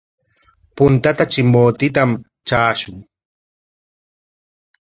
Puntata Chimbotetam traashun.